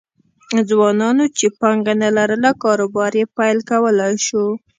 ځوانانو چې پانګه نه لرله کاروبار یې پیل کولای شو